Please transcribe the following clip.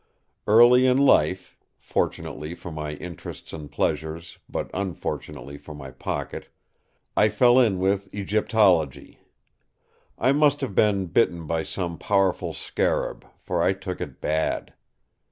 Early in life—fortunately for my interests and pleasures, but unfortunately for my pocket—I fell in with Egyptology. I must have been bitten by some powerful scarab, for I took it bad.